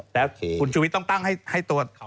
แล้วคุณชุวิตต้องตั้งให้ตัวเขา